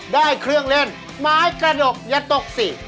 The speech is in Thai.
ได้เครื่องเล่นไม้กระดกอย่าตกสิ